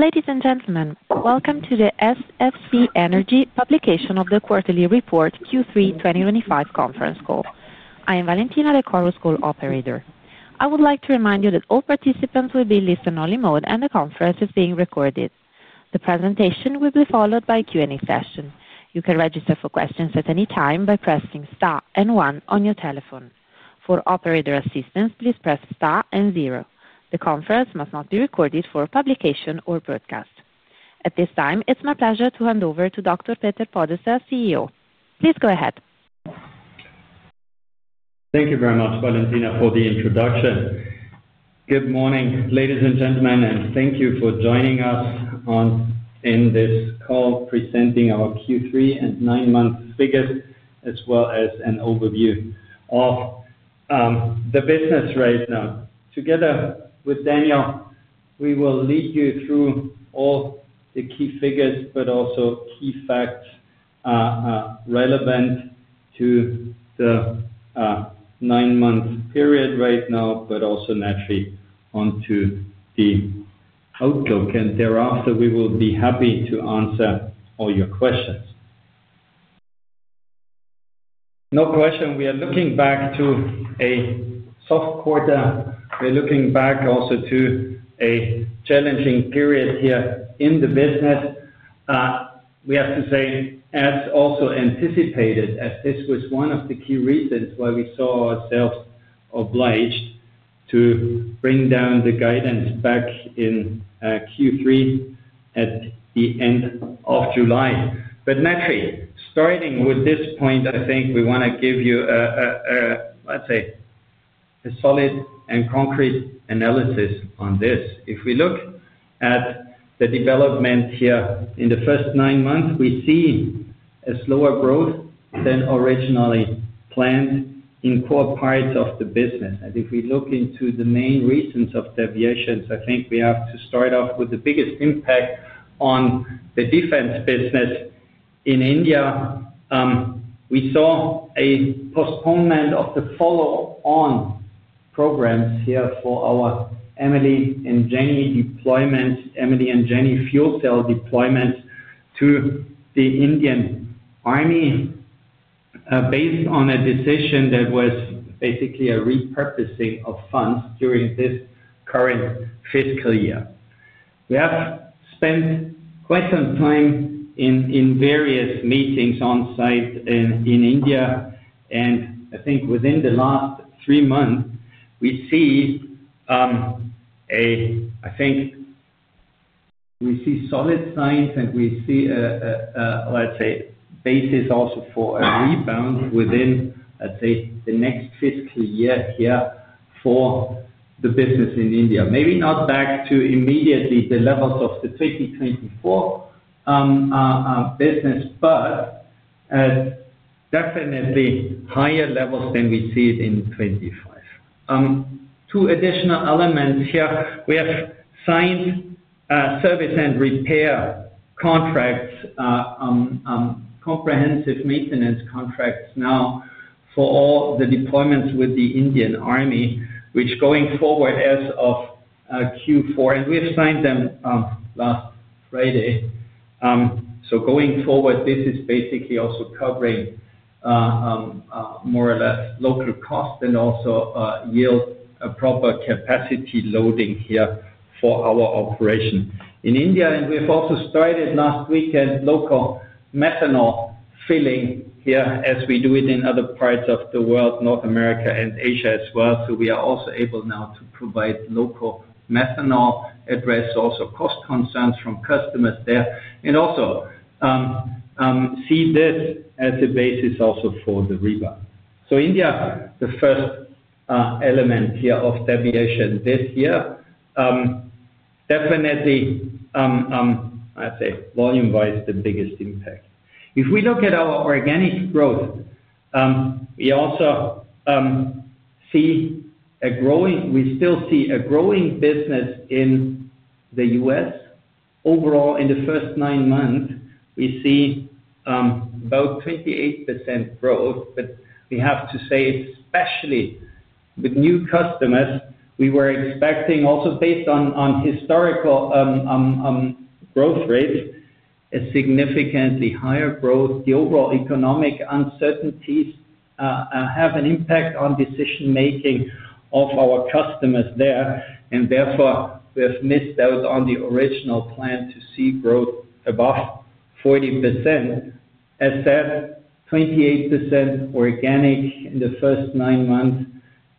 Ladies and gentlemen, welcome to the SFC Energy publication of the quarterly report Q3 2025 conference call. I am Valentina, the Chorus Call operator. I would like to remind you that all participants will be in listen-only mode and the conference is being recorded. The presentation will be followed by a Q&A session. You can register for questions at any time by pressing star and one on your telephone. For operator assistance, please press star and one. The conference must not be recorded for publication or broadcast. At this time, it is my pleasure to hand over to Dr. Peter Podesser, CEO. Please go ahead. Thank you very much, Valentina, for the introduction. Good morning, ladies and gentlemen, and thank you for joining us on this call presenting our Q3 and 9-month figures, as well as an overview of the business right now. Together with Daniel, we will lead you through all the key figures, but also key facts relevant to the 9-month period right now, but also naturally onto the outlook. Thereafter, we will be happy to answer all your questions. No question. We are looking back to a soft quarter. We are looking back also to a challenging period here in the business. We have to say, as also anticipated, that this was one of the key reasons why we saw ourselves obliged to bring down the guidance back in Q3 at the end of July. Naturally, starting with this point, I think we want to give you, let's say, a solid and concrete analysis on this. If we look at the development here in the first nine months, we see a slower growth than originally planned in core parts of the business. If we look into the main reasons of deviations, I think we have to start off with the biggest impact on the defense business in India. We saw a postponement of the follow-on programs here for our EMILY and JENNY deployments, EMILY and JENNY fuel cell deployments to the Indian Army, based on a decision that was basically a repurposing of funds during this current fiscal year. We have spent quite some time in various meetings on site in India, and I think within the last three months, we see a, I think we see solid signs, and we see, let's say, basis also for a rebound within, let's say, the next fiscal year here for the business in India. Maybe not back to immediately the levels of the 2024 business, but definitely higher levels than we see it in 2025. Two additional elements here. We have signed service and repair contracts, comprehensive maintenance contracts now for all the deployments with the Indian Army, which going forward as of Q4, and we have signed them last Friday. Going forward, this is basically also covering more or less local cost and also yield proper capacity loading here for our operation in India. We have also started last weekend local methanol filling here, as we do it in other parts of the world, North America and Asia as well. We are also able now to provide local methanol, address also cost concerns from customers there, and see this as a basis also for the rebound. India, the first element here of deviation, this year, definitely, I would say volume-wise, the biggest impact. If we look at our organic growth, we also see a growing, we still see a growing business in the U.S. Overall, in the first nine months, we see about 28% growth, but we have to say, especially with new customers, we were expecting also, based on historical growth rates, a significantly higher growth. The overall economic uncertainties have an impact on decision-making of our customers there, and therefore we have missed out on the original plan to see growth above 40%. As said, 28% organic in the first nine months,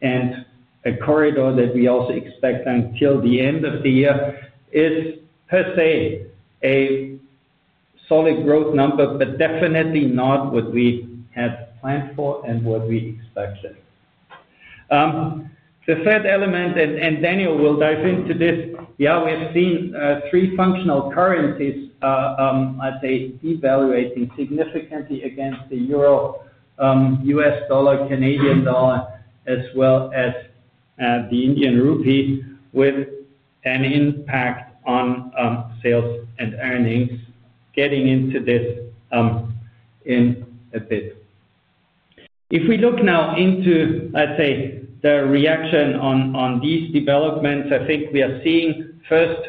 and a corridor that we also expect until the end of the year is, per se, a solid growth number, but definitely not what we had planned for and what we expected. The third element, and Daniel will dive into this. Yeah, we have seen three functional currencies, I'd say, devaluating significantly against the euro, U.S. dollar, Canadian dollar, as well as the Indian rupee, with an impact on sales and earnings. Getting into this in a bit. If we look now into, I'd say, the reaction on these developments, I think we are seeing first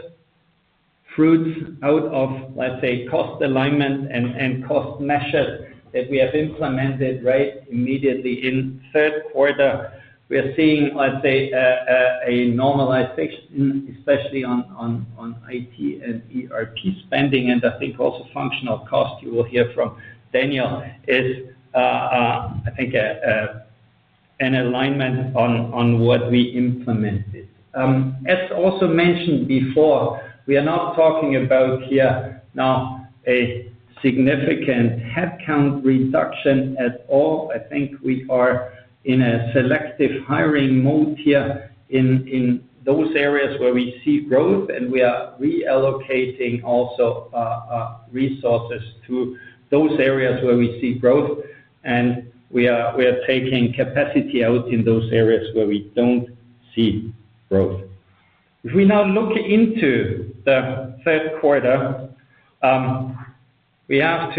fruits out of, let's say, cost alignment and cost measures that we have implemented right immediately in third quarter. We are seeing, let's say, a normalization, especially on IT and ERP spending, and I think also functional cost, you will hear from Daniel, is, I think, an alignment on what we implemented. As also mentioned before, we are not talking about here now a significant headcount reduction at all. I think we are in a selective hiring mode here in those areas where we see growth, and we are reallocating also resources to those areas where we see growth, and we are taking capacity out in those areas where we don't see growth. If we now look into the third quarter, we are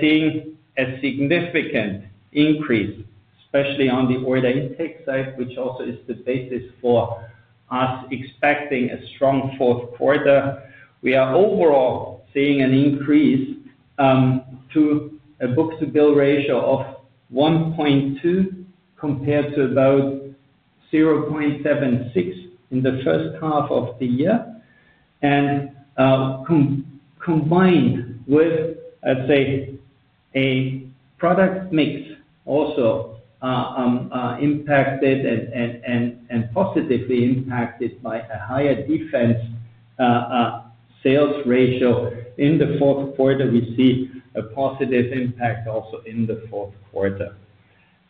seeing a significant increase, especially on the order intake side, which also is the basis for us expecting a strong fourth quarter. We are overall seeing an increase to a book-to-bill ratio of 1.2% compared to about 0.76% in the first half of the year. Combined with, I'd say, a product mix also impacted and positively impacted by a higher defense sales ratio in the fourth quarter, we see a positive impact also in the fourth quarter.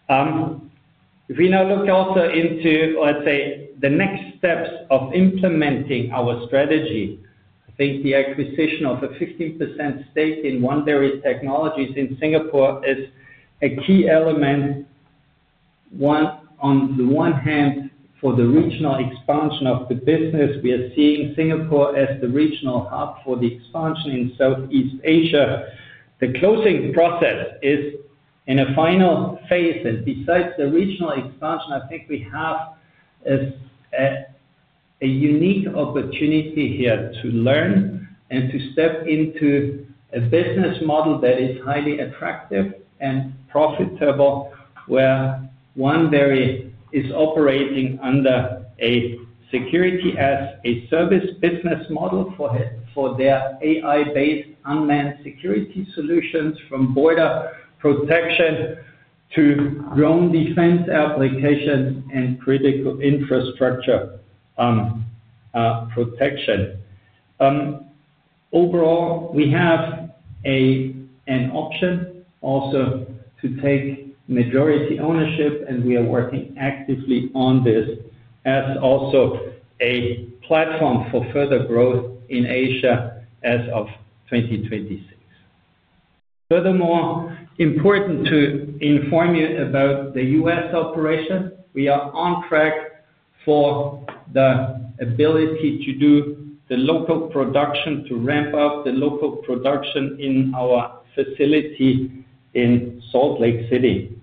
If we now look also into, let's say, the next steps of implementing our strategy, I think the acquisition of a 15% stake in Oneberry Technologies in Singapore is a key element. On the one hand, for the regional expansion of the business, we are seeing Singapore as the regional hub for the expansion in Southeast Asia. The closing process is in a final phase, and besides the regional expansion, I think we have a unique opportunity here to learn and to step into a business model that is highly attractive and profitable, where Oneberry is operating under a security as a service business model for their AI-based unmanned security solutions, from border protection to drone defense applications and critical infrastructure protection. Overall, we have an option also to take majority ownership, and we are working actively on this as also a platform for further growth in Asia as of 2026. Furthermore, important to inform you about the U.S. operation. We are on track for the ability to do the local production, to ramp up the local production in our facility in Salt Lake City.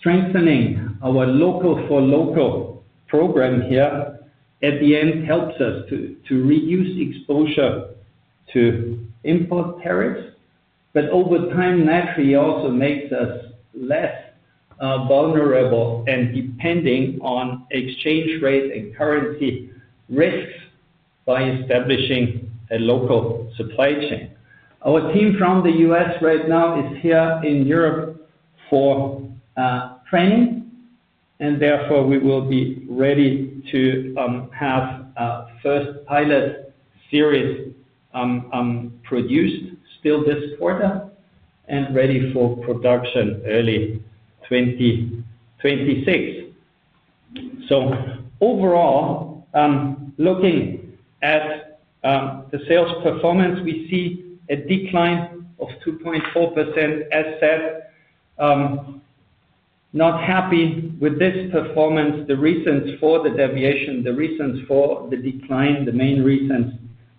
Strengthening our local-for-local program here at the end helps us to reduce exposure to import tariffs, but over time, naturally, also makes us less vulnerable and depending on exchange rate and currency risks by establishing a local supply chain. Our team from the U.S. right now is here in Europe for training, and therefore we will be ready to have a first pilot series produced still this quarter and ready for production early 2026. Overall, looking at the sales performance, we see a decline of 2.4%, as said. Not happy with this performance, the reasons for the deviation, the reasons for the decline, the main reasons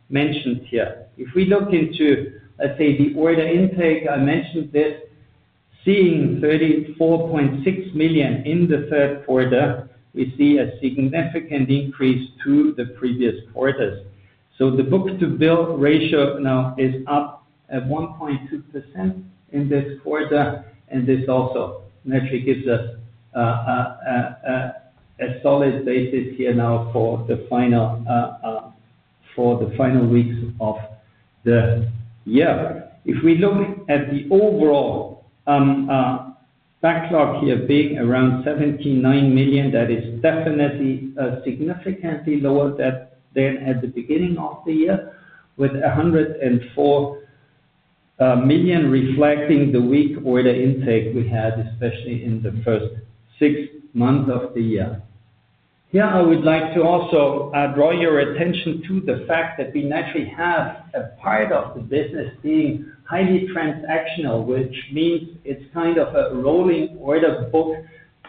mentioned here. If we look into, I'd say, the order intake, I mentioned this, seeing 34.6 million in the third quarter, we see a significant increase to the previous quarters. The book-to-bill ratio now is up at 1.2% in this quarter, and this also naturally gives us a solid basis here now for the final weeks of the year. If we look at the overall backlog here being around 79 million, that is definitely significantly lower than at the beginning of the year, with 104 million reflecting the weak order intake we had, especially in the first six months of the year. Here, I would like to also draw your attention to the fact that we naturally have a part of the business being highly transactional, which means it is kind of a rolling order book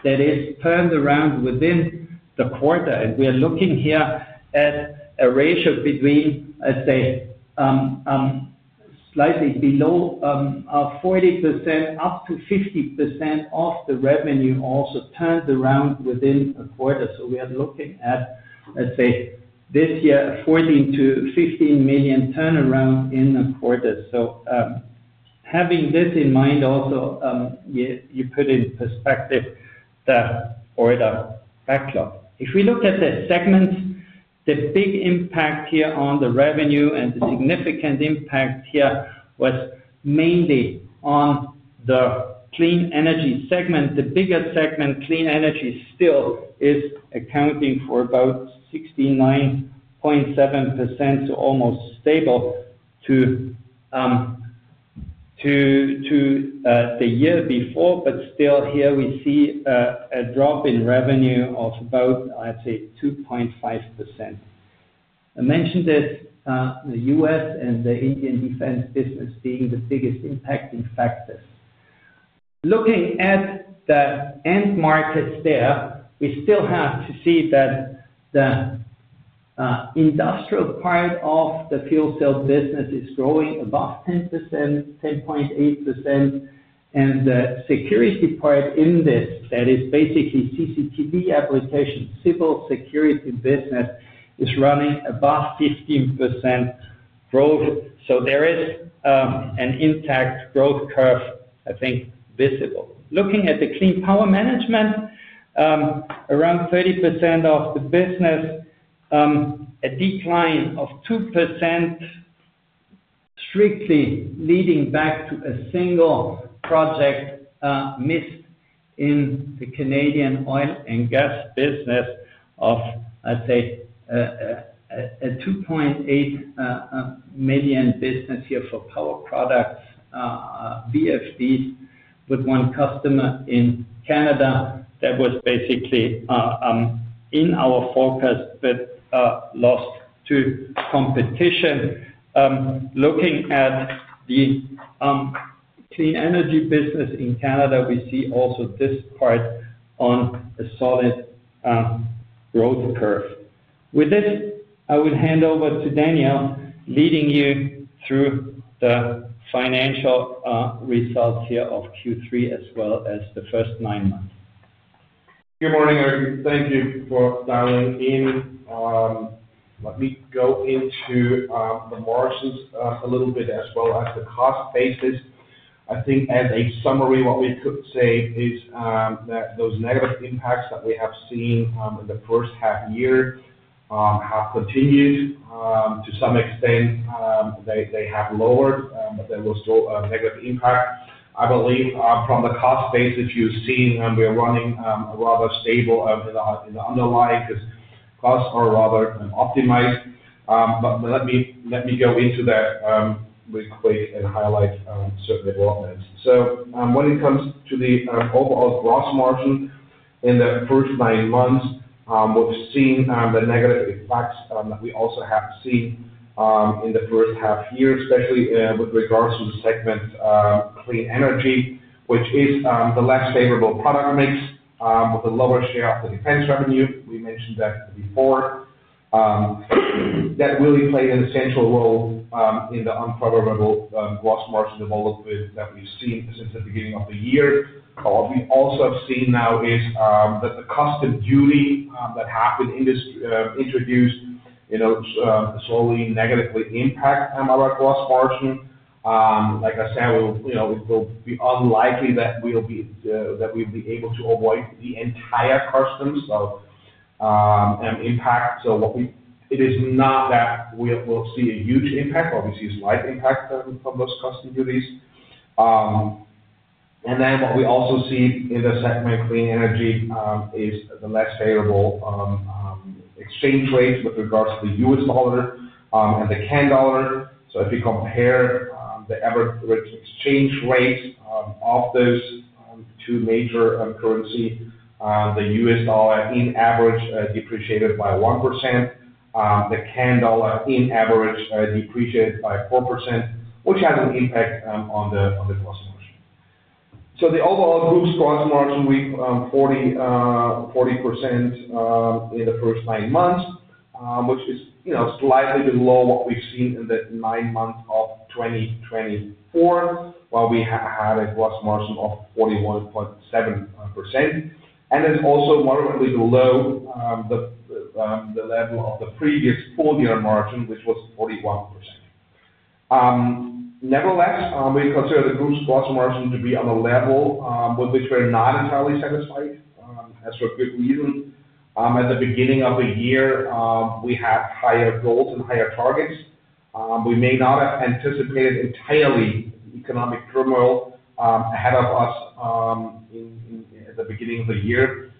that is turned around within the quarter. We are looking here at a ratio between, I would say, slightly below 40% up to 50% of the revenue also turned around within a quarter. We are looking at, let's say, this year, 14 million-15 million turnaround in a quarter. Having this in mind also, you put in perspective the order backlog. If we look at the segments, the big impact here on the revenue and the significant impact here was mainly on the clean energy segment. The bigger segment, clean energy, still is accounting for about 69.7%, so almost stable to the year before, but still here we see a drop in revenue of about, I'd say, 2.5%. I mentioned this, the U.S. and the Indian defense business being the biggest impacting factors. Looking at the end markets there, we still have to see that the industrial part of the fuel cell business is growing above 10%, 10.8%, and the security part in this, that is basically CCTV applications, civil security business, is running above 15% growth. There is an intact growth curve, I think, visible. Looking at the clean power management, around 30% of the business, a decline of 2%, strictly leading back to a single project missed in the Canadian oil and gas business of, I'd say, a 2.8 million business here for power products, VFDs, with one customer in Canada that was basically in our forecast but lost to competition. Looking at the clean energy business in Canada, we see also this part on a solid growth curve. With this, I would hand over to Daniel, leading you through the financial results here of Q3 as well as the first 9 months. Good morning, Peter. Thank you for dialing in. Let me go into the margins a little bit as well as the cost basis. I think as a summary, what we could say is that those negative impacts that we have seen in the first half year have continued to some extent. They have lowered, but there was still a negative impact. I believe from the cost basis, you've seen we are running rather stable in the underlying because costs are rather optimized. Let me go into that real quick and highlight certain developments. When it comes to the overall gross margin in the first 9 months, we've seen the negative impacts that we also have seen in the first half year, especially with regards to the segment Clean Energy, which is the less favorable product mix with a lower share of the defense revenue. We mentioned that before. That really played an essential role in the unprobable gross margin development that we've seen since the beginning of the year. What we also have seen now is that the custom duty that have been introduced slowly negatively impact our gross margin. Like I said, it will be unlikely that we'll be able to avoid the entire customs, so impact. It is not that we will see a huge impact. What we see is slight impact from those custom duties. What we also see in the segment Clean Energy is the less favorable exchange rates with regards to the U.S. dollar and the Can dollar. If you compare the average exchange rate of those two major currencies, the U.S. dollar in average depreciated by 1%, the Can dollar in average depreciated by 4%, which has an impact on the gross margin. The overall group's gross margin reached 40% in the first nine months, which is slightly below what we've seen in the nine months of 2024, while we had a gross margin of 41.7%. It is also moderately below the level of the previous full-year margin, which was 41%. Nevertheless, we consider the group's gross margin to be on a level with which we are not entirely satisfied, as for good reason. At the beginning of the year, we had higher goals and higher targets. We may not have anticipated entirely the economic turmoil ahead of us at the beginning of the year.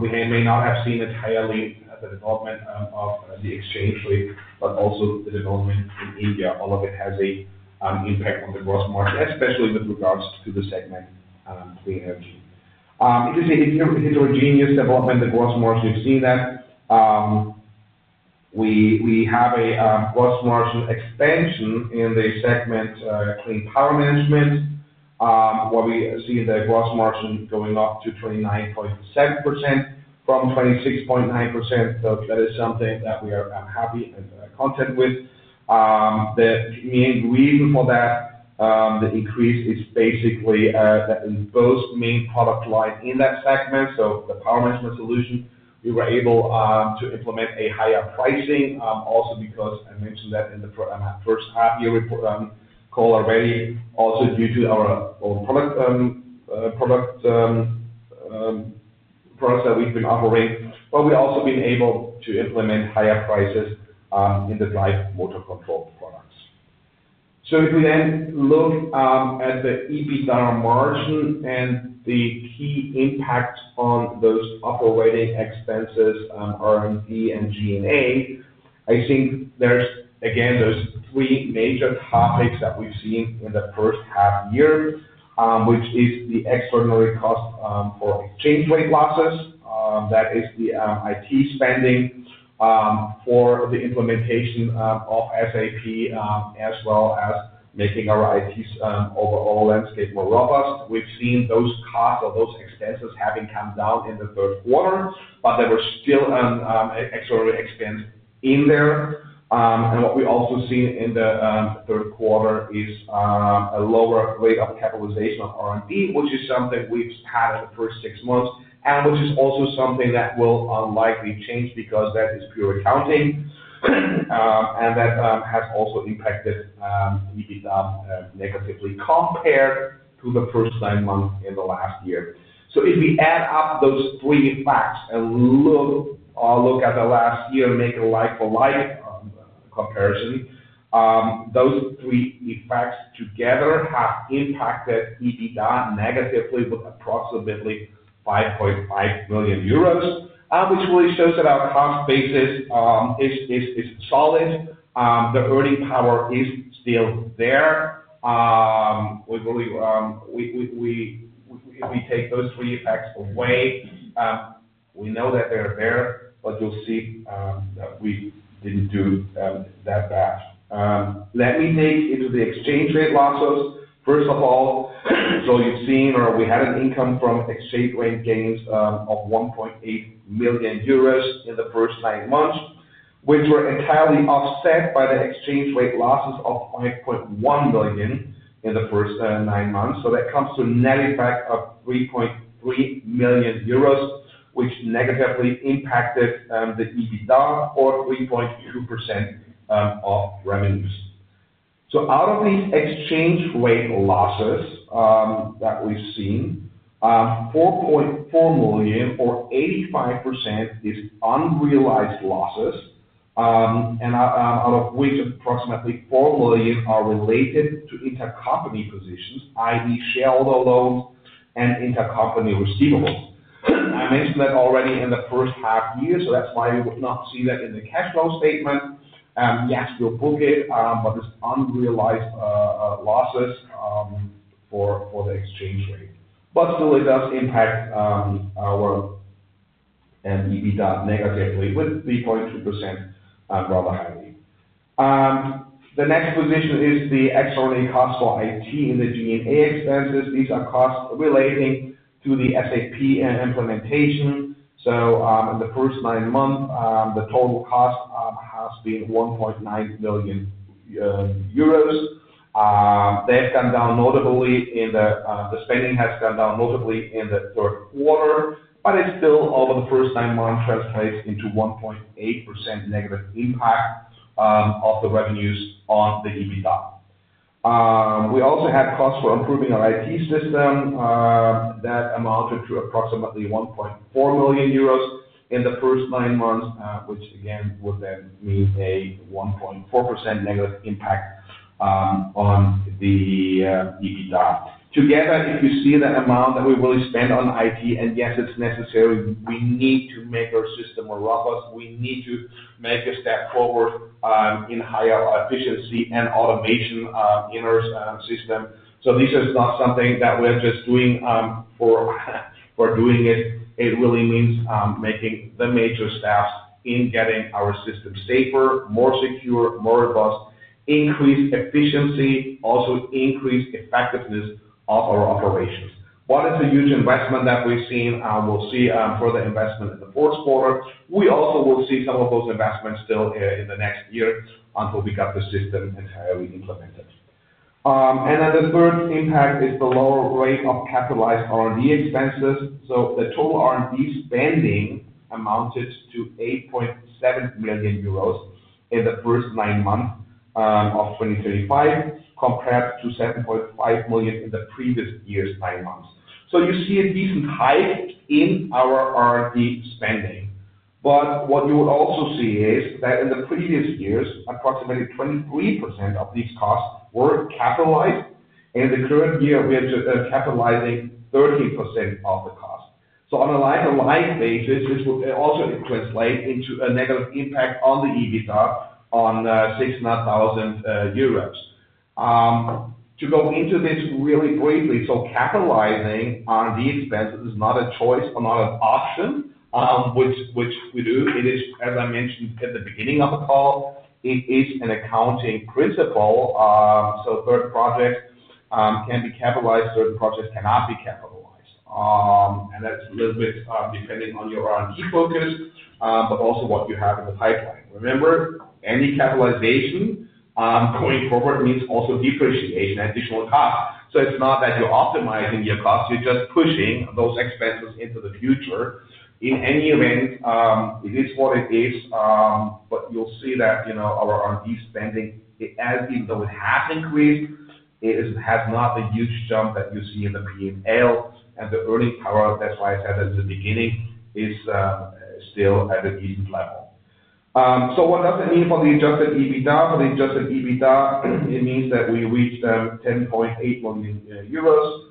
We may not have seen entirely the development of the exchange rate, but also the development in India. All of it has an impact on the gross margin, especially with regards to the segment Clean Energy. It is a heterogeneous development, the gross margin. We've seen that. We have a gross margin expansion in the segment clean power management, where we see the gross margin going up to 29.7% from 26.9%. That is something that we are happy and content with. The main reason for that, the increase is basically in both main product lines in that segment. The power management solution, we were able to implement a higher pricing also because I mentioned that in the first half-year call already, also due to our products that we've been offering. We have also been able to implement higher prices in the drive motor control products. If we then look at the EBITDA margin and the key impact on those operating expenses, R&D and G&A, I think there are, again, three major topics that we've seen in the first half year, which is the extraordinary cost for exchange rate losses. That is the IT spending for the implementation of SAP, as well as making our IT's overall landscape more robust. We have seen those costs of those expenses having come down in the third quarter, but there was still an extraordinary expense in there. What we also see in the third quarter is a lower rate of capitalization of R&D, which is something we have had in the first six months, and which is also something that will unlikely change because that is pure accounting, and that has also impacted EBITDA negatively compared to the first nine months in the last year. If we add up those three facts and look at the last year, make a like-for-like comparison, those three facts together have impacted EBITDA negatively with approximately 5.5 million euros, which really shows that our cost basis is solid. The earning power is still there. If we take those three facts away, we know that they're there, but you'll see that we didn't do that bad. Let me dig into the exchange rate losses. First of all, so you've seen or we had an income from exchange rate gains of 1.8 million euros in the first nine months, which were entirely offset by the exchange rate losses of 5.1 million in the first nine months. That comes to a net impact of 3.3 million euros, which negatively impacted the EBITDA for 3.2% of revenues. Out of these exchange rate losses that we've seen, 4.4 million or 85% is unrealized losses, and out of which approximately 4 million are related to intercompany positions, i.e., shareholder loans and intercompany receivables. I mentioned that already in the first half year, so that's why we would not see that in the cash flow statement. Yes, we'll book it, but it's unrealized losses for the exchange rate. It does impact our EBITDA negatively with 3.2% rather highly. The next position is the extraordinary cost for IT in the G&A expenses. These are costs relating to the SAP implementation. In the first nine months, the total cost has been 1.9 million euros. They have gone down notably, the spending has gone down notably in the third quarter, but it still, over the first nine months, translates into 1.8% negative impact of the revenues on the EBITDA. We also had costs for improving our IT system that amounted to approximately 1.4 million euros in the first nine months, which again would then mean a 1.4% negative impact on the EBITDA. Together, if you see the amount that we will spend on IT, and yes, it's necessary, we need to make our system more robust. We need to make a step forward in higher efficiency and automation in our system. This is not something that we're just doing for doing it. It really means making the major steps in getting our system safer, more secure, more robust, increase efficiency, also increase effectiveness of our operations. What is a huge investment that we've seen? We will see further investment in the fourth quarter. We also will see some of those investments still in the next year until we got the system entirely implemented. The third impact is the lower rate of capitalized R&D expenses. The total R&D spending amounted to 8.7 million euros in the first nine months of 2025, compared to 7.5 million in the previous year's nine months. You see a decent hike in our R&D spending. What you will also see is that in the previous years, approximately 23% of these costs were capitalized. In the current year, we are capitalizing 13% of the cost. On a like-for-like basis, this would also translate into a negative impact on the EBITDA on EUR 6,000. To go into this really briefly, capitalizing on the expenses is not a choice or not an option, which we do. It is, as I mentioned at the beginning of the call, an accounting principle. Certain projects can be capitalized, certain projects cannot be capitalized. That is a little bit depending on your R&D focus, but also what you have in the pipeline. Remember, any capitalization going forward means also depreciation, additional cost. It is not that you are optimizing your costs. You are just pushing those expenses into the future. In any event, it is what it is. You will see that our R&D spending, even though it has increased, it has not the huge jump that you see in the P&L. The earning power, that is why I said that at the beginning, is still at a decent level. What does it mean for the adjusted EBITDA? For the adjusted EBITDA, it means that we reached 10.8 million euros,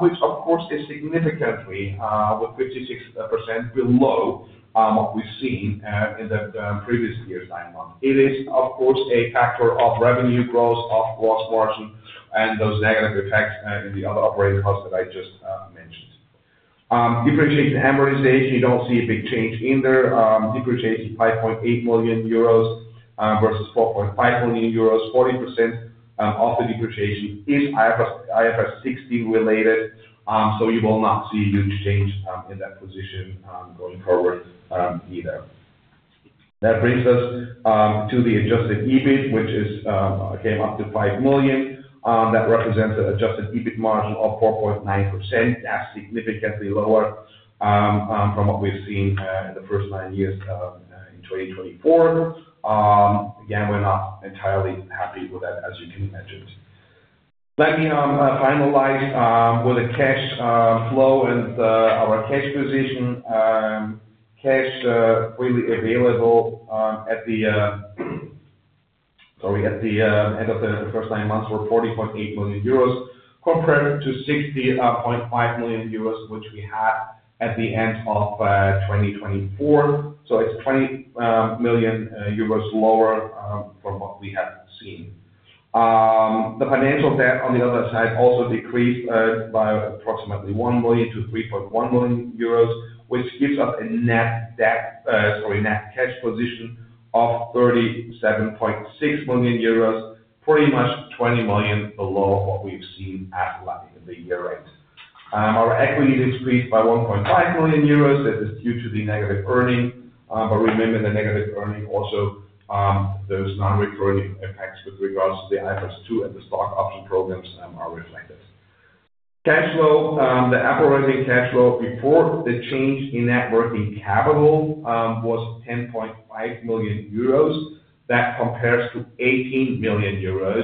which, of course, is significantly with 56% below what we have seen in the previous year's nine months. It is, of course, a factor of revenue growth, of gross margin, and those negative effects in the other operating costs that I just mentioned. Depreciation amortization, you do not see a big change in there. Depreciation 5.8 million euros versus 4.5 million euros, 40% of the depreciation is IFRS 16 related. You will not see a huge change in that position going forward either. That brings us to the adjusted EBIT, which came up to 5 million. That represents an adjusted EBIT margin of 4.9%. That is significantly lower from what we have seen in the first nine months in 2024. Again, we are not entirely happy with that, as you can imagine. Let me finalize with the cash flow and our cash position. Cash freely available at the, sorry, at the end of the first nine months were 40.8 million euros compared to 60.5 million euros, which we had at the end of 2024. It is 20 million euros lower from what we have seen. The financial debt on the other side also decreased by approximately 1 million-3.1 million euros, which gives us a net debt, sorry, net cash position of 37.6 million euros, pretty much 20 million below what we have seen as the year-end. Our equity decreased by 1.5 million euros. That is due to the negative earning. Remember, the negative earning also those non-recurring effects with regards to the IFRS 2 and the stock option programs are reflected. Cash flow, the operating cash flow before the change in networking capital was 10.5 million euros. That compares to 18 million euros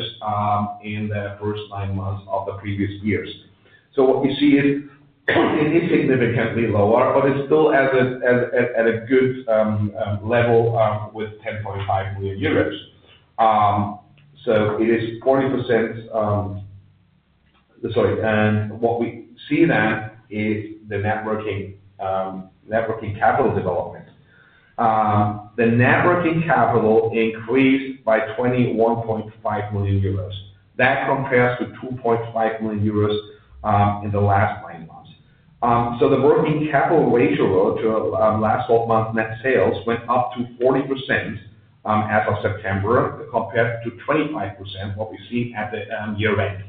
in the first nine months of the previous years. What you see is it is significantly lower, but it is still at a good level with 10.5 million euros. It is 40%, sorry. What we see then is the networking capital development. The networking capital increased by 21.5 million euros. That compares to 2.5 million euros in the last nine months. The working capital ratio to last 12 months net sales went up to 40% as of September compared to 25% at the year-end.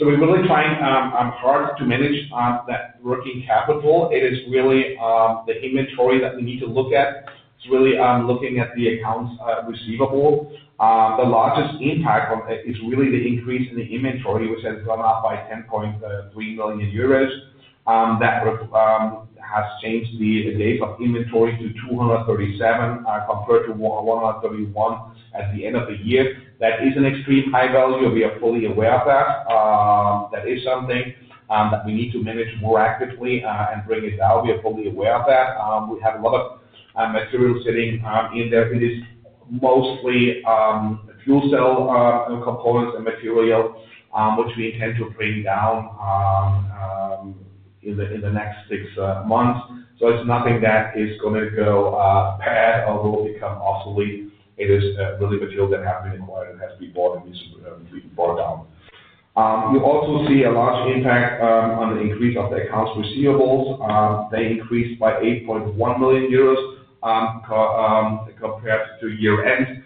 We are really trying hard to manage that working capital. It is really the inventory that we need to look at. It is really looking at the accounts receivable. The largest impact is really the increase in the inventory, which has gone up by 10.3 million euros. That has changed the date of inventory to 237 compared to 131 at the end of the year. That is an extreme high value. We are fully aware of that. That is something that we need to manage more actively and bring it down. We are fully aware of that. We have a lot of material sitting in there. It is mostly fuel cell components and material, which we intend to bring down in the next six months. It is nothing that is going to go bad or will become obsolete. It is really material that has been acquired and has to be bought and brought down. You also see a large impact on the increase of the accounts receivables. They increased by 8.1 million euros compared to year-end.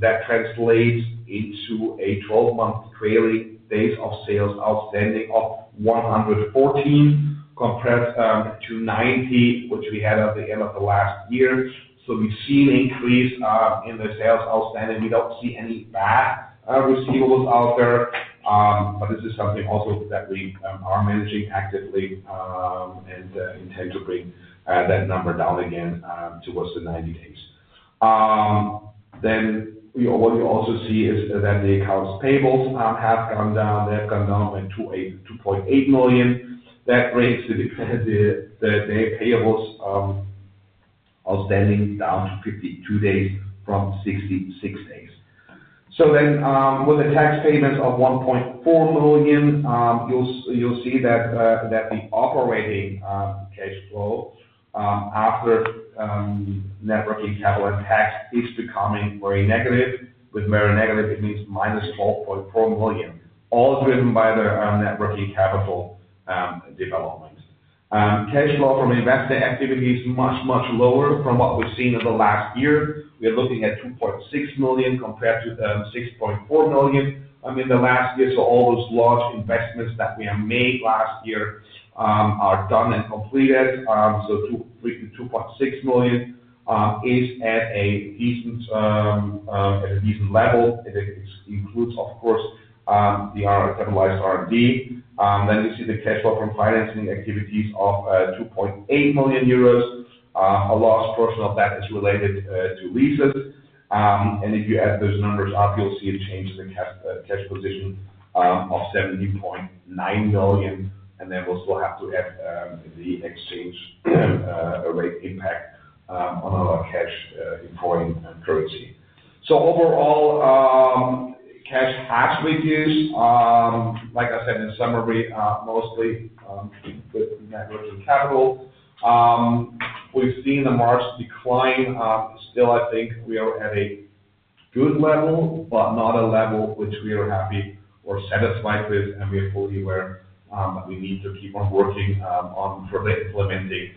That translates into a 12-month trailing days of sales outstanding of 114 compared to 90, which we had at the end of the last year. We have seen an increase in the sales outstanding. We do not see any bad receivables out there, but this is something also that we are managing actively and intend to bring that number down again towards the 90 days. What you also see is that the accounts payables have gone down. They have gone down by 2.8 million. That brings the payables outstanding down to 52 days from 66 days. With the tax payments of 1.4 million, you will see that the operating cash flow after networking capital tax is becoming very negative. With very negative, it means -12.4 million, all driven by the networking capital development. Cash flow from investor activity is much, much lower from what we've seen in the last year. We are looking at 2.6 million compared to 6.4 million in the last year. All those large investments that we have made last year are done and completed. 2.6 million is at a decent level. It includes, of course, the capitalized R&D. You see the cash flow from financing activities of 2.8 million euros. A large portion of that is related to leases. If you add those numbers up, you'll see a change in the cash position of 17.9 million. We'll still have to add the exchange rate impact on our cash employing currency. Overall, cash has reduced. Like I said in summary, mostly with networking capital. We've seen a large decline. Still, I think we are at a good level, but not a level which we are happy or satisfied with. We are fully aware that we need to keep on working on further implementing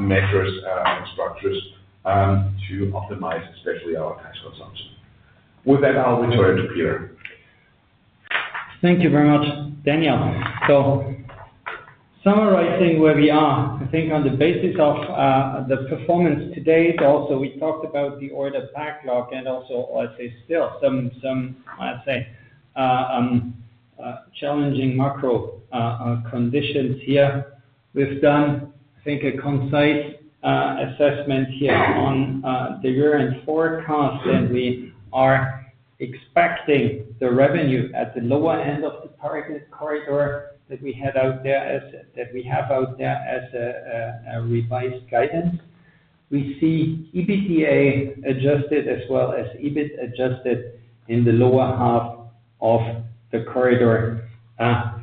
measures and structures to optimize, especially our tax consumption. With that, I'll return to Peter. Thank you very much, Daniel. Summarizing where we are, I think on the basis of the performance today, also we talked about the order backlog and also, I'd say, still some, I'd say, challenging macro conditions here. We've done, I think, a concise assessment here on the year-end forecast, and we are expecting the revenue at the lower end of the target corridor that we had out there as we have out there as a revised guidance. We see EBITDA adjusted as well as EBIT adjusted in the lower half of the corridor that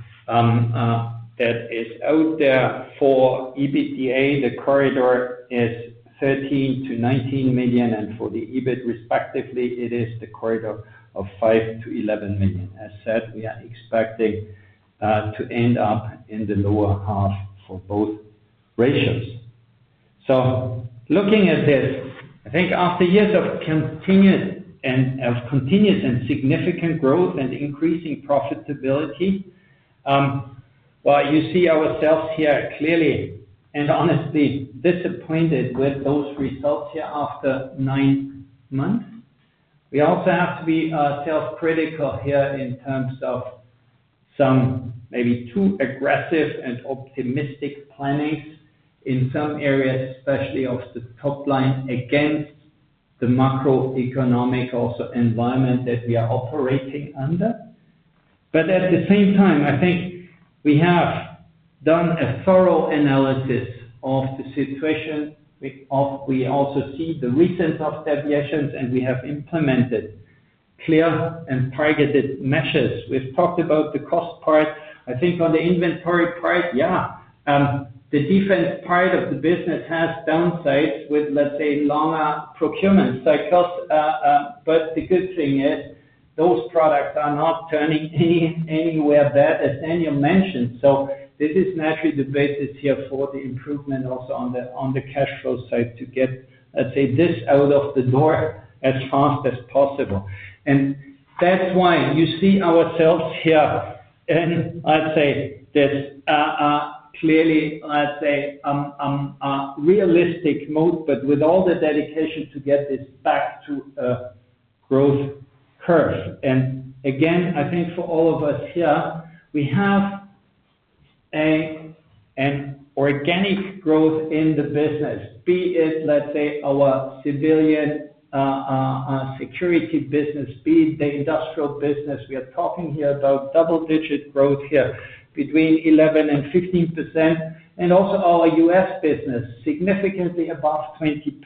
is out there. For EBITDA, the corridor is 13 million-19 million, and for the EBIT, respectively, it is the corridor of 5 million-11 million. As said, we are expecting to end up in the lower half for both ratios. Looking at this, I think after years of continuous and significant growth and increasing profitability, you see ourselves here clearly and honestly disappointed with those results here after nine months. We also have to be self-critical here in terms of some maybe too aggressive and optimistic plannings in some areas, especially of the top line against the macroeconomic also environment that we are operating under. At the same time, I think we have done a thorough analysis of the situation. We also see the recent off deviations, and we have implemented clear and targeted measures. We have talked about the cost part. I think on the inventory part, yeah. The defense part of the business has downsides with, let's say, longer procurement cycles. The good thing is those products are not turning anywhere bad, as Daniel mentioned. This is naturally the basis here for the improvement also on the cash flow side to get, let's say, this out of the door as fast as possible. That is why you see ourselves here, and I'd say this clearly, I'd say, a realistic moat, but with all the dedication to get this back to a growth curve. Again, I think for all of us here, we have an organic growth in the business, be it, let's say, our civilian security business, be it the industrial business. We are talking here about double-digit growth here between 11% and 15%, and also our U.S. business significantly above 20%.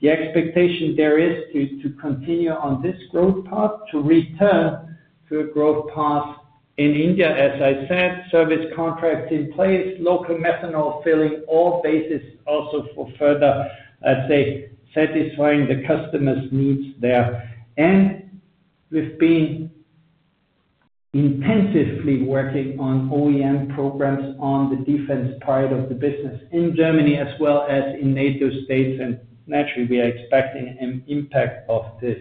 The expectation there is to continue on this growth path, to return to a growth path in India, as I said, service contracts in place, local methanol filling, all basis also for further, I'd say, satisfying the customer's needs there. We've been intensively working on OEM programs on the defense part of the business in Germany, as well as in NATO states. Naturally, we are expecting an impact of this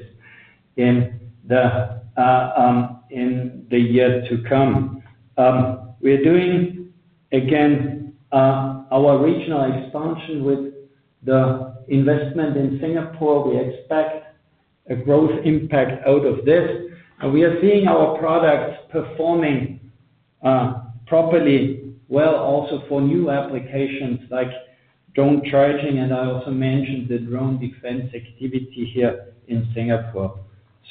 in the year to come. We are doing, again, our regional expansion with the investment in Singapore. We expect a growth impact out of this. We are seeing our products performing properly well also for new applications like drone charging. I also mentioned the drone defense activity here in Singapore.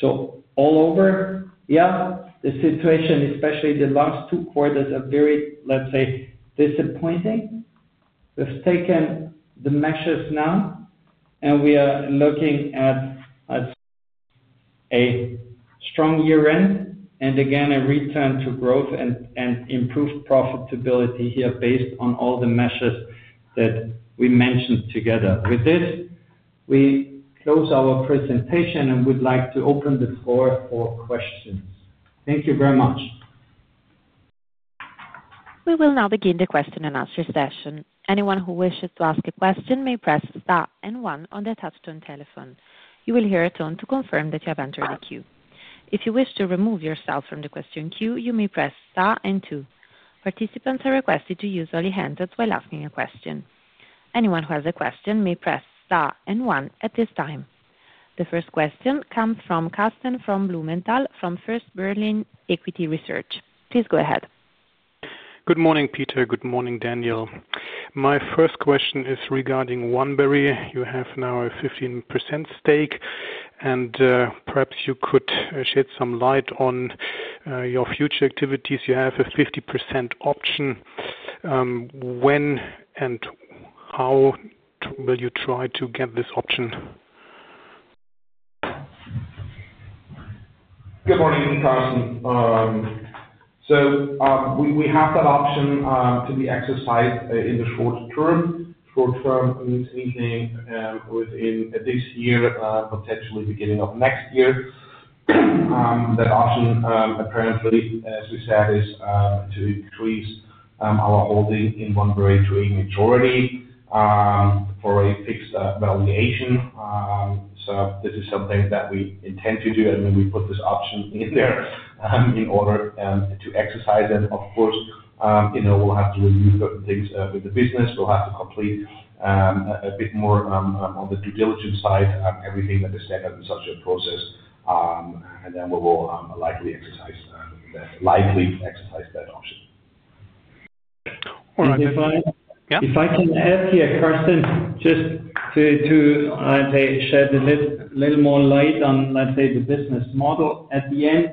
All over, yeah, the situation, especially the last two quarters, are very, let's say, disappointing. We've taken the measures now, and we are looking at a strong year-end and again a return to growth and improved profitability here based on all the measures that we mentioned together. With this, we close our presentation and would like to open the floor for questions. Thank you very much. We will now begin the question and answer session. Anyone who wishes to ask a question may press star and one on the touchstone telephone. You will hear a tone to confirm that you have entered the queue. If you wish to remove yourself from the question queue, you may press star and two. Participants are requested to use only hands while asking a question. Anyone who has a question may press star and one at this time. The first question comes from Karsten Blumenthal from First Berlin Equity Research. Please go ahead. Good morning, Peter. Good morning, Daniel. My first question is regarding Oneberry. You have now a 15% stake, and perhaps you could shed some light on your future activities. You have a 50% option. When and how will you try to get this option? Good morning, Karsten. So we have that option to be exercised in the short term. Short term means within this year, potentially beginning of next year. That option, apparently, as we said, is to increase our holding in Oneberry to a majority for a fixed valuation. This is something that we intend to do. I mean, we put this option in there in order to exercise them. Of course, we'll have to review certain things with the business. We'll have to complete a bit more on the due diligence side, everything that is standard in such a process. Then we will likely exercise that option. All right. If I can help here, Karsten, just to, I'd say, shed a little more light on, let's say, the business model. At the end,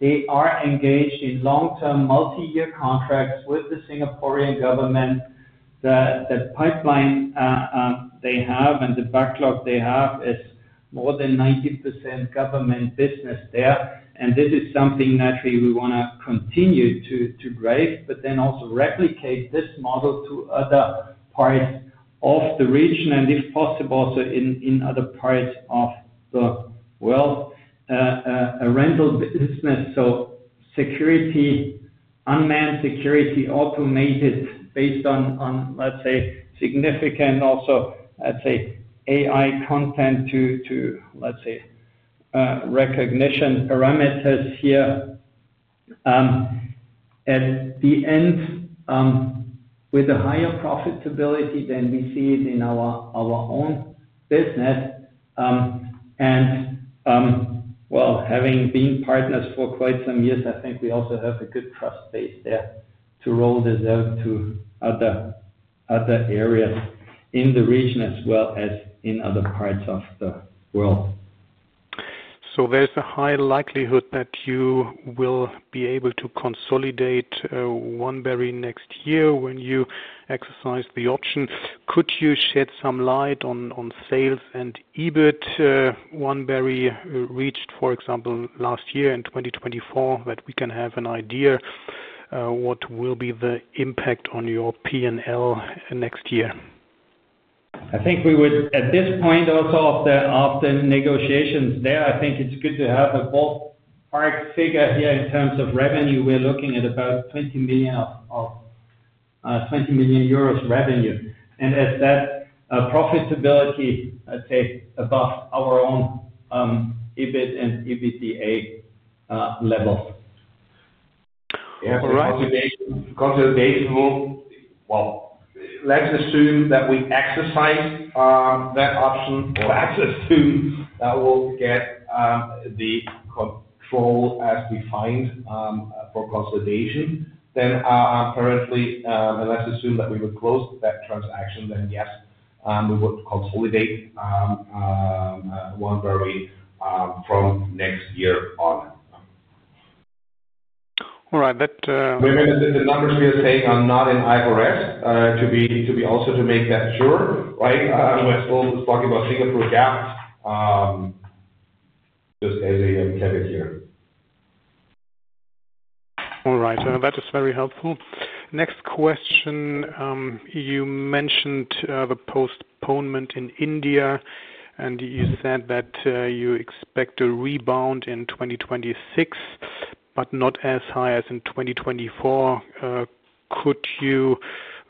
they are engaged in long-term multi-year contracts with the Singaporean government. The pipeline they have and the backlog they have is more than 90% government business there. This is something naturally we want to continue to grow, but then also replicate this model to other parts of the region, and if possible, also in other parts of the world. A rental business, so security, unmanned security, automated based on, let's say, significant also, let's say, AI content to, let's say, recognition parameters here. At the end, with a higher profitability than we see it in our own business. Having been partners for quite some years, I think we also have a good trust base there to roll this out to other areas in the region as well as in other parts of the world. There is a high likelihood that you will be able to consolidate Oneberry next year when you exercise the option. Could you shed some light on sales and EBIT Oneberry reached, for example, last year in 2024, so that we can have an idea what will be the impact on your P&L next year? I think we would, at this point, also of the negotiations there, I think it is good to have a ballpark figure here in terms of revenue. We are looking at about 20 million euros revenue. And as to profitability, let's say, above our own EBIT and EBITDA levels. Yeah, consolidation, well, let's assume that we exercise that option or access to that will get the control as defined for consolidation. Then apparently, and let's assume that we would close that transaction, yes, we would consolidate Oneberry from next year on. All right. The numbers we are saying are not in IFRS to be also to make that sure, right? We're still talking about Singapore gap just as a caveat here. All right. That is very helpful. Next question. You mentioned the postponement in India, and you said that you expect a rebound in 2026, but not as high as in 2024. Could you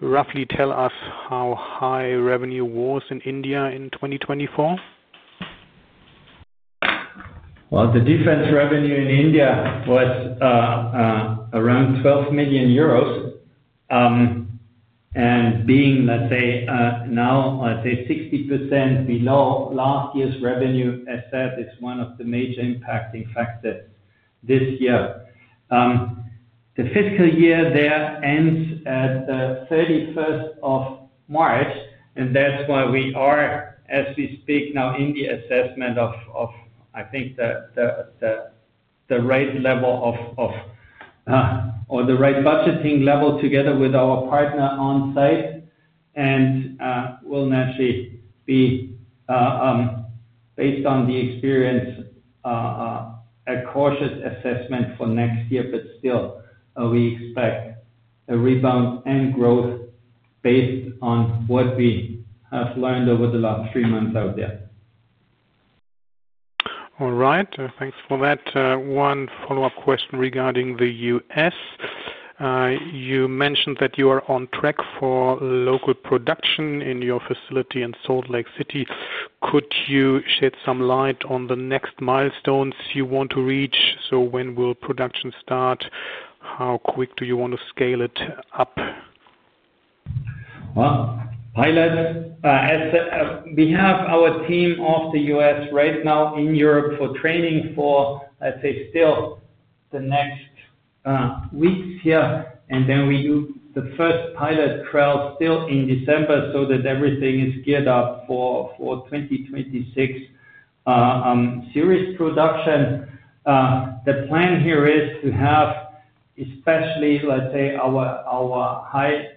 roughly tell us how high revenue was in India in 2024? The defense revenue in India was around EUR 12 million. Being, let's say, now 60% below last year's revenue, as said, is one of the major impacting factors this year. The fiscal year there ends at the 31st of March, and that is why we are, as we speak now, in the assessment of, I think, the rate level of or the rate budgeting level together with our partner on site. We will naturally be, based on the experience, a cautious assessment for next year, but still, we expect a rebound and growth based on what we have learned over the last three months out there. All right. Thanks for that. One follow-up question regarding the U.S. You mentioned that you are on track for local production in your facility in Salt Lake City. Could you shed some light on the next milestones you want to reach? When will production start? How quick do you want to scale it up? Pilots, as we have our team of the U.S. right now in Europe for training for, I'd say, still the next weeks here. Then we do the first pilot trial still in December so that everything is geared up for 2026 series production. The plan here is to have, especially, let's say, our high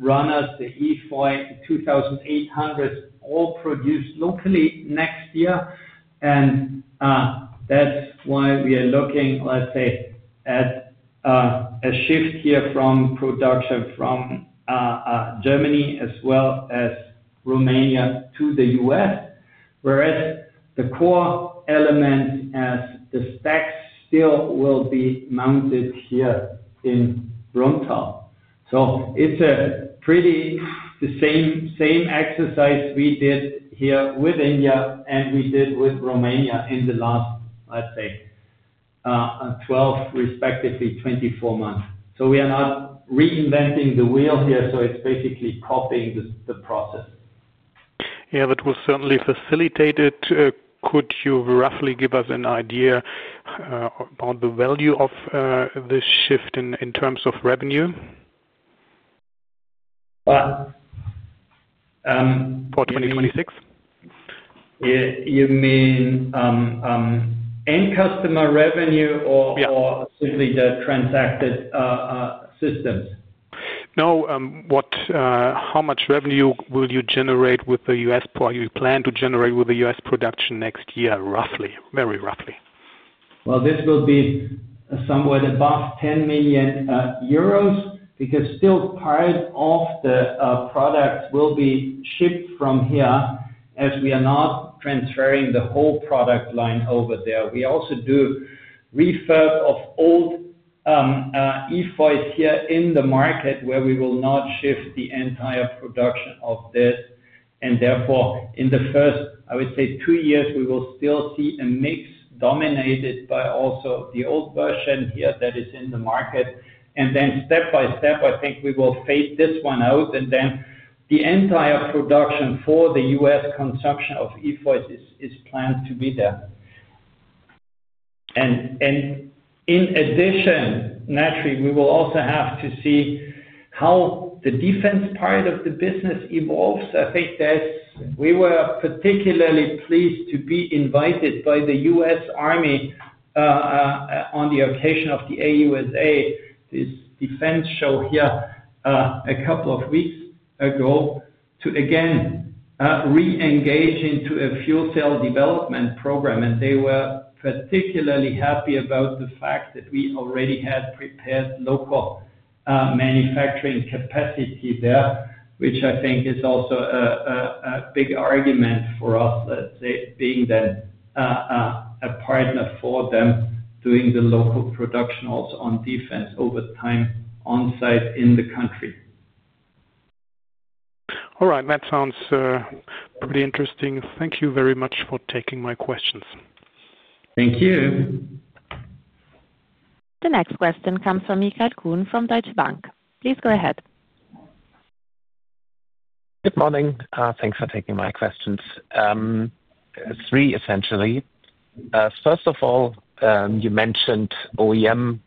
runners, the EFOY, 2,800, all produced locally next year. That is why we are looking, let's say, at a shift here from production from Germany as well as Romania to the U.S., whereas the core element as the stacks still will be mounted here in Brunnthal. It is pretty much the same exercise we did here with India and we did with Romania in the last, let's say, 12, respectively, 24 months. We are not reinventing the wheel here. It is basically copying the process. Yeah, that was certainly facilitated. Could you roughly give us an idea about the value of this shift in terms of revenue? For 2026? You mean end customer revenue or simply the transacted systems? No. How much revenue will you generate with the U.S.? You plan to generate with the U.S. production next year, roughly, very roughly? This will be somewhere above 10 million euros because still part of the products will be shipped from here as we are not transferring the whole product line over there. We also do refurb of old EFOYs here in the market where we will not shift the entire production of this. Therefore, in the first, I would say, two years, we will still see a mix dominated by also the old version here that is in the market. Step by step, I think we will fade this one out. The entire production for the U.S. consumption of EFOYs is planned to be there. In addition, naturally, we will also have to see how the defense part of the business evolves. I think we were particularly pleased to be invited by the U.S. Army on the occasion of the AUSA, this defense show here a couple of weeks ago, to again re-engage into a fuel cell development program. They were particularly happy about the fact that we already had prepared local manufacturing capacity there, which I think is also a big argument for us, let's say, being then a partner for them doing the local production also on defense over time on site in the country. All right. That sounds pretty interesting. Thank you very much for taking my questions. Thank you. The next question comes from Michael Kuhn from Deutsche Bank. Please go ahead. Good morning. Thanks for taking my questions. Three, essentially. First of all, you mentioned OEM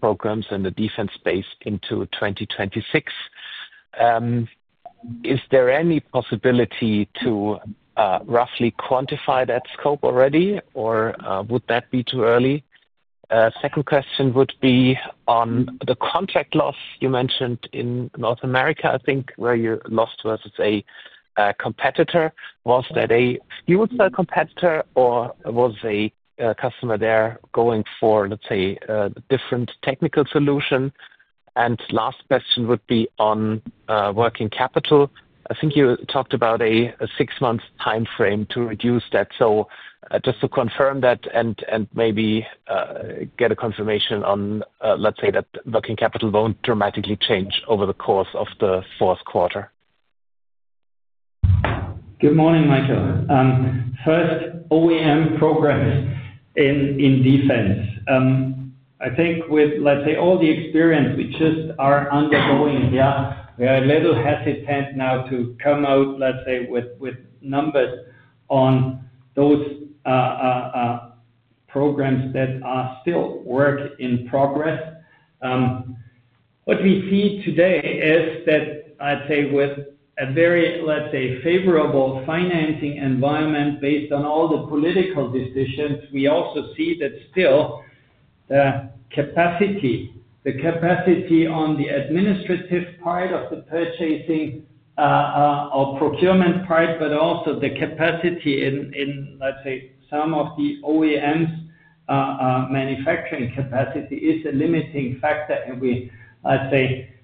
programs in the defense space into 2026. Is there any possibility to roughly quantify that scope already, or would that be too early? Second question would be on the contract loss you mentioned in North America, I think, where you lost versus a competitor. Was that a fuel cell competitor, or was a customer there going for, let's say, a different technical solution? And last question would be on working capital. I think you talked about a six-month timeframe to reduce that. Just to confirm that and maybe get a confirmation on, let's say, that working capital will not dramatically change over the course of the fourth quarter. Good morning, Michael. First, OEM programs in defense. I think with, let's say, all the experience we just are undergoing here, we are a little hesitant now to come out, let's say, with numbers on those programs that are still work in progress. What we see today is that, I'd say, with a very, let's say, favorable financing environment based on all the political decisions, we also see that still the capacity on the administrative part of the purchasing or procurement part, but also the capacity in, let's say, some of the OEMs' manufacturing capacity is a limiting factor. We, let's say,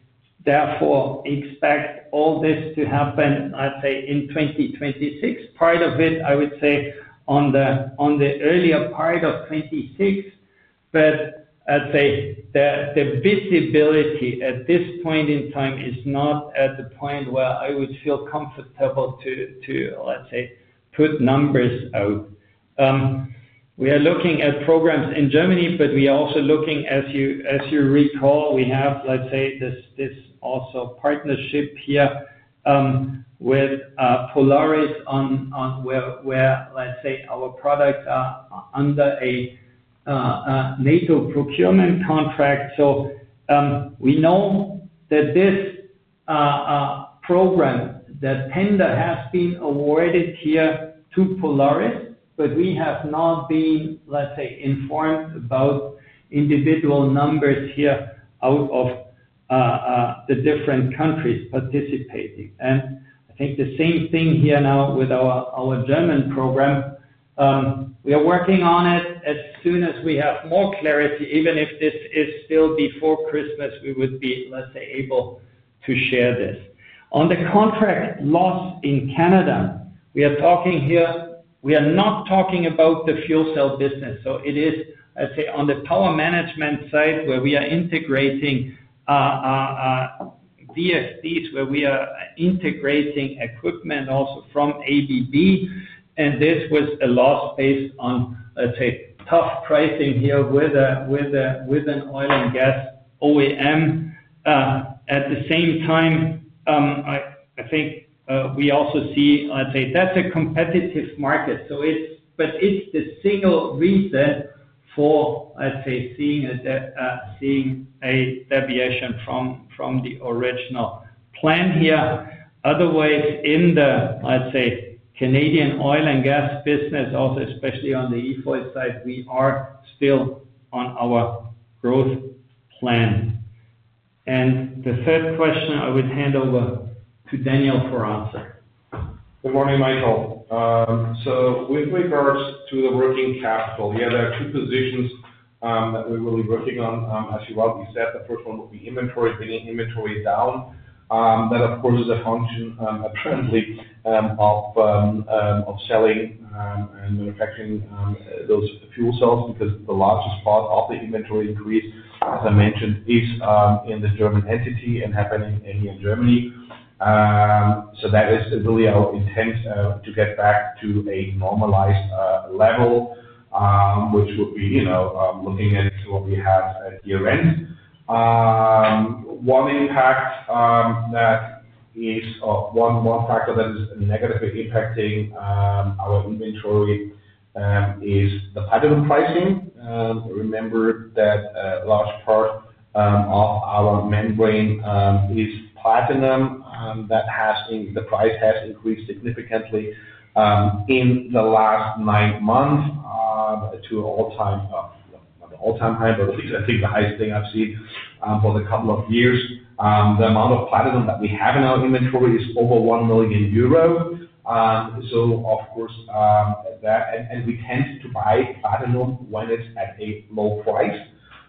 therefore expect all this to happen, I'd say, in 2026. Part of it, I would say, on the earlier part of 2026. I'd say the visibility at this point in time is not at the point where I would feel comfortable to, let's say, put numbers out. We are looking at programs in Germany, but we are also looking, as you recall, we have, let's say, this also partnership here with Polaris where, let's say, our products are under a NATO procurement contract. We know that this program, that tender has been awarded here to Polaris, but we have not been, let's say, informed about individual numbers here out of the different countries participating. I think the same thing here now with our German program. We are working on it. As soon as we have more clarity, even if this is still before Christmas, we would be, let's say, able to share this. On the contract loss in Canada, we are talking here we are not talking about the fuel cell business. It is, I'd say, on the power management side where we are integrating VFDs, where we are integrating equipment also from ABB. This was a loss based on, let's say, tough pricing here with an oil and gas OEM. At the same time, I think we also see, I'd say, that's a competitive market. It's the single reason for, I'd say, seeing a deviation from the original plan here. Otherwise, in the, I'd say, Canadian oil and gas business, also especially on the EFOY side, we are still on our growth plan. The third question, I would hand over to Daniel for answer. Good morning, Michael. With regards to the working capital, yeah, there are two positions that we're really working on, as you rightly said. The first one would be inventory, bringing inventory down. That, of course, is a function apparently of selling and manufacturing those fuel cells because the largest part of the inventory increase, as I mentioned, is in the German entity and happening here in Germany. That is really our intent to get back to a normalized level, which would be looking at what we have at year-end. One impact that is one factor that is negatively impacting our inventory is the platinum pricing. Remember that a large part of our membrane is platinum. That has, the price has increased significantly in the last nine months to all time, not all time high, but at least I think the highest thing I have seen for the couple of years. The amount of platinum that we have in our inventory is over 1 million euro. Of course, that and we tend to buy platinum when it is at a low price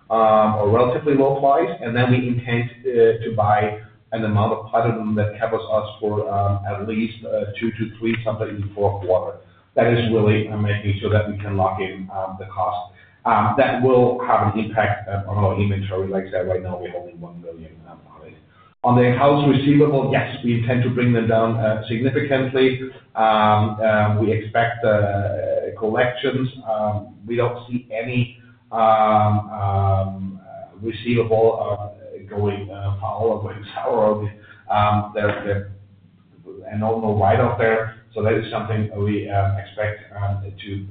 or relatively low price. Then we intend to buy an amount of platinum that covers us for at least two to three, sometimes even four quarters. That is really making sure that we can lock in the cost. That will have an impact on our inventory. Like I said, right now, we are holding 1 million on it. On the in-house receivable, yes, we intend to bring them down significantly. We expect collections. We do not see any receivable going far or going south. There is an old no-write-out there. That is something we expect to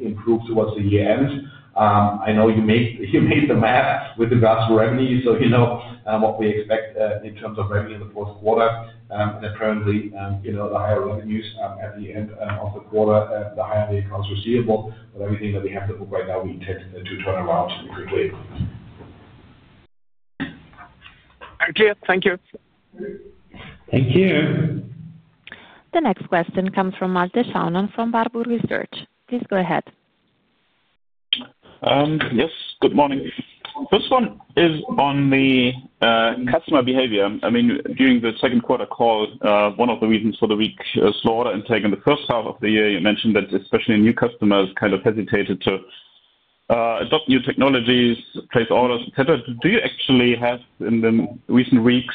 improve towards the year-end. I know you made the math with regards to revenue. You know what we expect in terms of revenue in the fourth quarter. Apparently, the higher revenues at the end of the quarter, the higher the accounts receivable. Everything that we have to book right now, we intend to turn around quickly. Thank you. Thank you. Thank you. The next question comes from Malte Schaumann from Warburg Research. Please go ahead. Yes. Good morning. First one is on the customer behavior. I mean, during the second quarter call, one of the reasons for the weak order intake in the first half of the year, you mentioned that especially new customers kind of hesitated to adopt new technologies, place orders, etc. Do you actually have in the recent weeks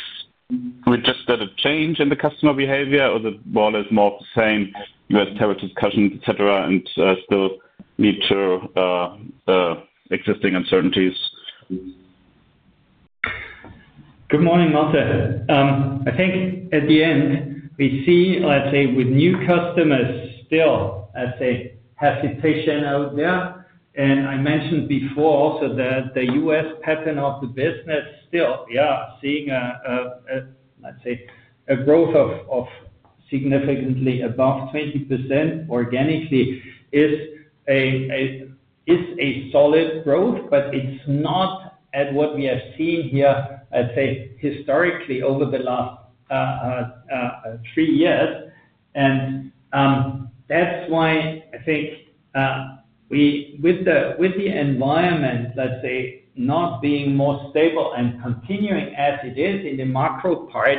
just a change in the customer behavior, or is it more of the same U.S. tariff discussions, etc., and still lead to existing uncertainties? Good morning, Malte. I think at the end, we see, let's say, with new customers still, I'd say, hesitation out there. I mentioned before also that the U.S. pattern of the business still, yeah, seeing a, let's say, a growth of significantly above 20% organically is a solid growth, but it's not at what we have seen here, I'd say, historically over the last three years. That's why I think with the environment, let's say, not being more stable and continuing as it is in the macro part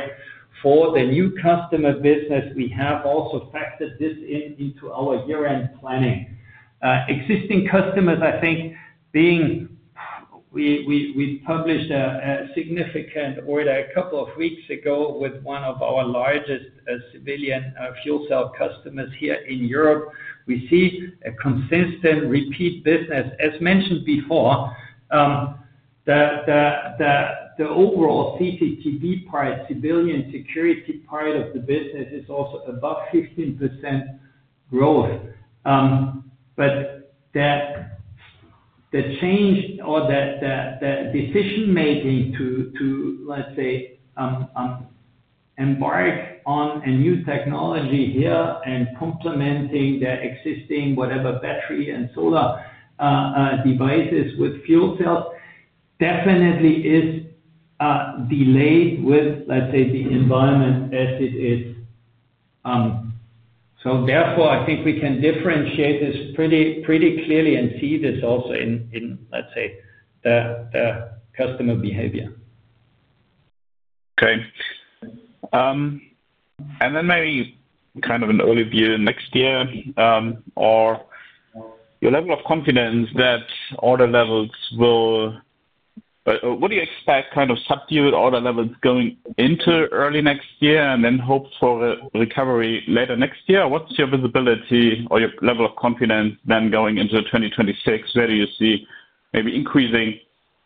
for the new customer business, we have also factored this into our year-end planning. Existing customers, I think, being we published a significant order a couple of weeks ago with one of our largest civilian fuel cell customers here in Europe. We see a consistent repeat business. As mentioned before, the overall CCTV part, civilian security part of the business is also above 15% growth. The change or the decision-making to, let's say, embark on a new technology here and complementing their existing whatever battery and solar devices with fuel cells definitely is delayed with, let's say, the environment as it is. Therefore, I think we can differentiate this pretty clearly and see this also in, let's say, the customer behavior. Okay. Maybe kind of an early view. Next year or your level of confidence that order levels will what do you expect kind of subdued order levels going into early next year and then hope for recovery later next year? What's your visibility or your level of confidence then going into 2026? Where do you see maybe increasing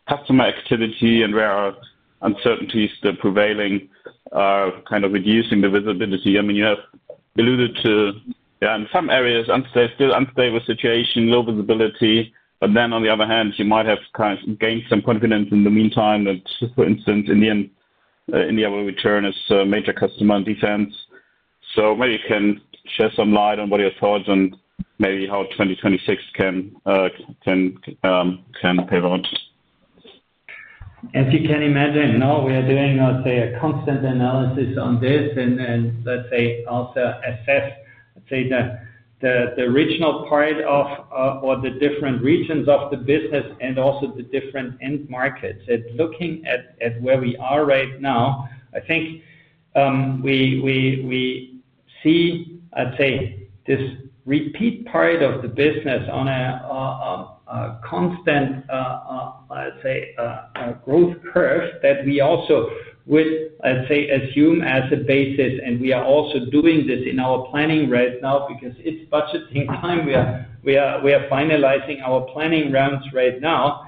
customer activity and where are uncertainties still prevailing kind of reducing the visibility? I mean, you have alluded to, yeah, in some areas, unstable situation, low visibility. On the other hand, you might have kind of gained some confidence in the meantime that, for instance, Indian return is a major customer in defense. Maybe you can share some light on what your thoughts and maybe how 2026 can play out. As you can imagine, no, we are doing, I'd say, a constant analysis on this and, let's say, also assess, let's say, the regional part of or the different regions of the business and also the different end markets. Looking at where we are right now, I think we see, I'd say, this repeat part of the business on a constant, I'd say, growth curve that we also would, I'd say, assume as a basis. We are also doing this in our planning right now because it's budgeting time. We are finalizing our planning rounds right now.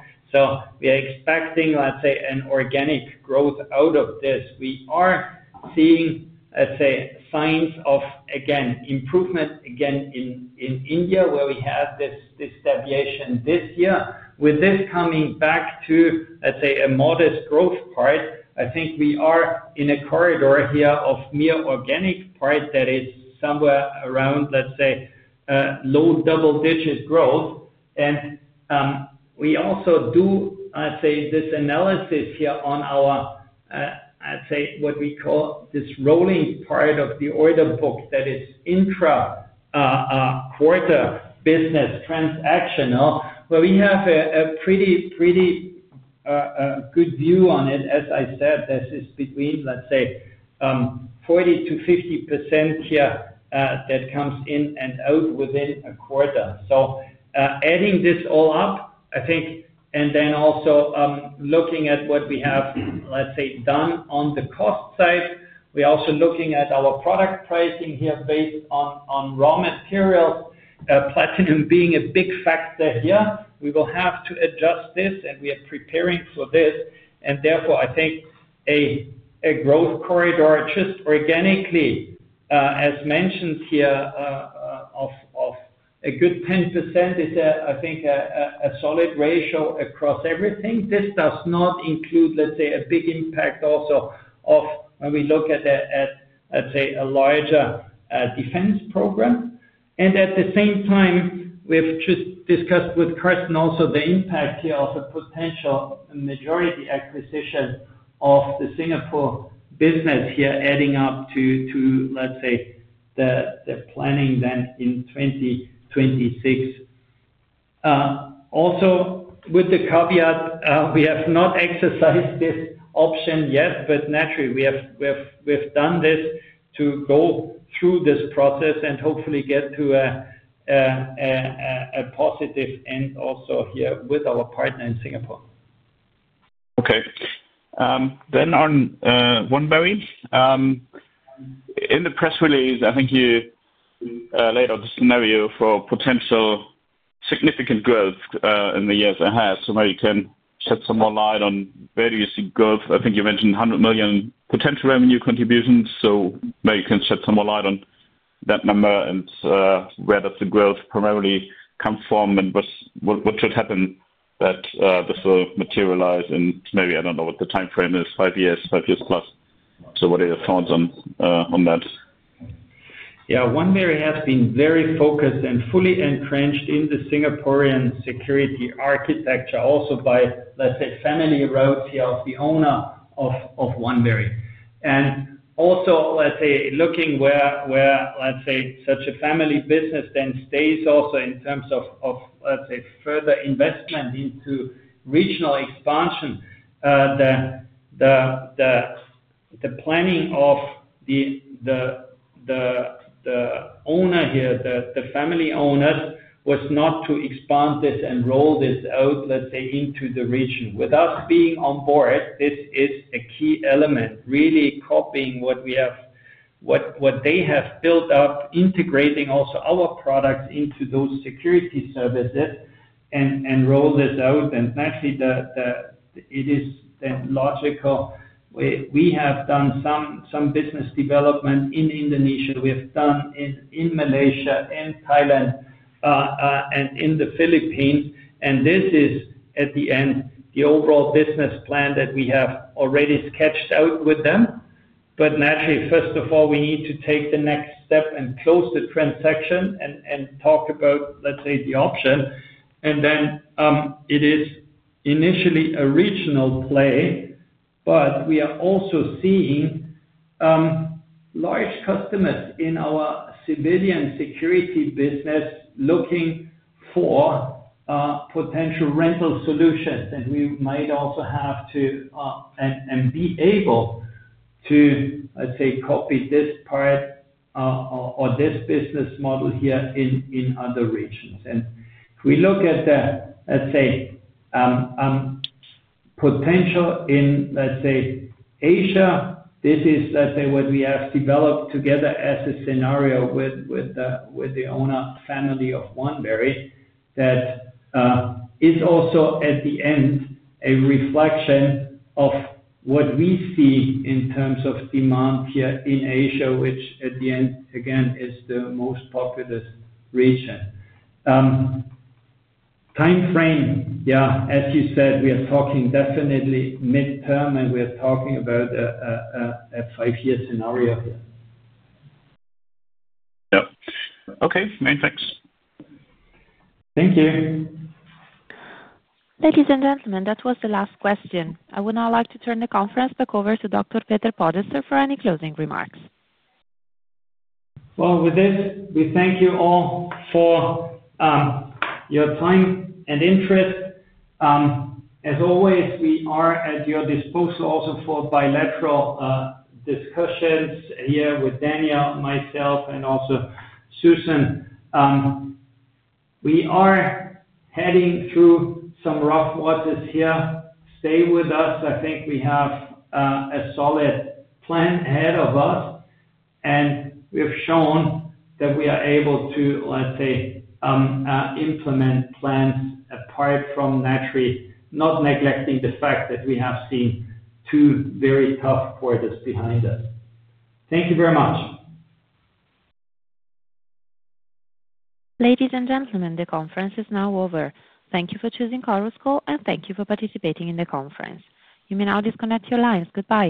We are expecting, let's say, an organic growth out of this. We are seeing, I'd say, signs of, again, improvement again in India where we have this deviation this year. With this coming back to, let's say, a modest growth part, I think we are in a corridor here of mere organic part that is somewhere around, let's say, low double-digit growth. We also do, I'd say, this analysis here on our, I'd say, what we call this rolling part of the order book that is intra-quarter business transactional, where we have a pretty good view on it. As I said, this is between, let's say, 40%-50% here that comes in and out within a quarter. Adding this all up, I think, and then also looking at what we have, let's say, done on the cost side. We are also looking at our product pricing here based on raw materials, platinum being a big factor here. We will have to adjust this, and we are preparing for this. Therefore, I think a growth corridor just organically, as mentioned here, of a good 10% is, I think, a solid ratio across everything. This does not include, let's say, a big impact also of when we look at, let's say, a larger defense program. At the same time, we have just discussed with Karsten also the impact here of a potential majority acquisition of the Singapore business here adding up to, let's say, the planning then in 2026. Also, with the caveat, we have not exercised this option yet, but naturally, we have done this to go through this process and hopefully get to a positive end also here with our partner in Singapore. Okay. On Oneberry, in the press release, I think you laid out the scenario for potential significant growth in the years ahead. Maybe you can shed some more light on where you see growth. I think you mentioned 100 million potential revenue contributions. Maybe you can shed some more light on that number and where the growth primarily comes from and what should happen that does materialize in maybe, I do not know what the time frame is, five years, five years plus. What are your thoughts on that? Yeah. Oneberry has been very focused and fully entrenched in the Singaporean security architecture also by, let's say, family roots here of the owner of Oneberry. Also, let's say, looking where, let's say, such a family business then stays also in terms of, let's say, further investment into regional expansion, the planning of the owner here, the family owners, was not to expand this and roll this out, let's say, into the region. With us being on board, this is a key element, really copying what they have built up, integrating also our products into those security services and roll this out. Actually, it is then logical. We have done some business development in Indonesia. We have done in Malaysia and Thailand and in the Philippines. This is, at the end, the overall business plan that we have already sketched out with them. Naturally, first of all, we need to take the next step and close the transaction and talk about, let's say, the option. It is initially a regional play, but we are also seeing large customers in our civilian security business looking for potential rental solutions. We might also have to and be able to, I'd say, copy this part or this business model here in other regions. If we look at the, let's say, potential in, let's say, Asia, this is, let's say, what we have developed together as a scenario with the owner family of Oneberry that is also, at the end, a reflection of what we see in terms of demand here in Asia, which at the end, again, is the most populous region. Time frame, yeah, as you said, we are talking definitely midterm, and we are talking about a five-year scenario here. Yep. Okay. Many thanks. Thank you. Ladies and gentlemen, that was the last question. I would now like to turn the conference back over to Dr. Peter Podesser for any closing remarks. With this, we thank you all for your time and interest. As always, we are at your disposal also for bilateral discussions here with Daniel, myself, and also Susan. We are heading through some rough waters here. Stay with us. I think we have a solid plan ahead of us, and we have shown that we are able to, let's say, implement plans apart from naturally not neglecting the fact that we have seen two very tough quarters behind us. Thank you very much. Ladies and gentlemen, the conference is now over. Thank you for choosing Chorus Call, and thank you for participating in the conference. You may now disconnect your lines. Goodbye.